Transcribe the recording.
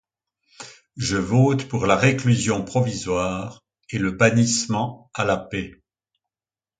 Je vote pour la réclusion provisoire et le bannissement à la paix.